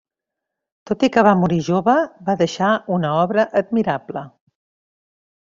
Tot i que va morir jove, va deixar una obra admirable.